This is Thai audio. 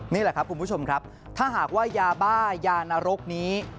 นี่แหละครับคุณผู้ชมครับถ้าหากว่ายาบ้ายานรกนี้